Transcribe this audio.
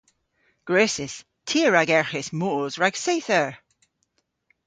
Gwrussys. Ty a ragerghis moos rag seyth eur.